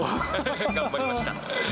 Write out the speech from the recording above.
頑張りました。